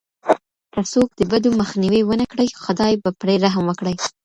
که څوک د بدو مخنيوی ونه کړي، خداي به پرې رحم وکړي.